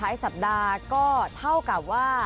สัปดาห์ก็เท่ากับว่า